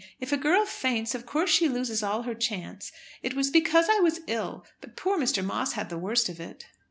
If a girl faints, of course she loses all her chance. It was because I was ill. But poor Mr. Moss had the worst of it."